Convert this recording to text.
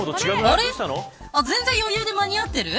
あれ、全然余裕で間に合ってる。